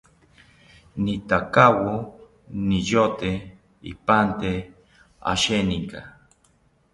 Nitakawo niyote ipante asheninka